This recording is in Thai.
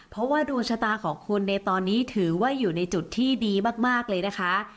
เพราะว่าดวงชะตาของคุณในตอนนี้ถือว่าอยู่ในจุดที่ดีมากเลยนะคะ